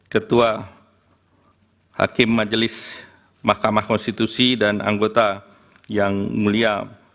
ketua majelis mahkamah konstitusi dan anggota yang mulia